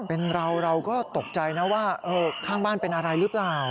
เป็นเราเราก็ตกใจนะว่าข้างบ้านเป็นอะไรหรือเปล่า